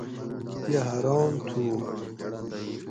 یہ حاران تھُو